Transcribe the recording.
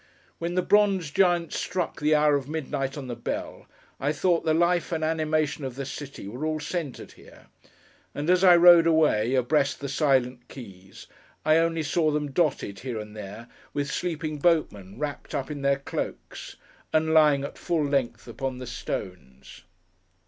When the bronze giants struck the hour of midnight on the bell, I thought the life and animation of the city were all centred here; and as I rowed away, abreast the silent quays, I only saw them dotted, here and there, with sleeping boatmen wrapped up in their cloaks, and lying at full length upon the stones.